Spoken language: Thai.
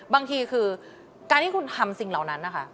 บางทีคือการที่คุณทำสิ่งเหล่านั้นนะคะ